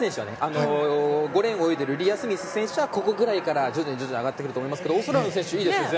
５レーンのリア・スミス選手はここくらいから徐々に上がってくると思いますがオーストラリアの選手いいですよね